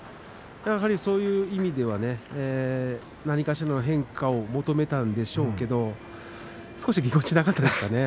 やはり、そういう意味では何かしらの変化を求めたんでしょうけど少しぎこちなかったですかね。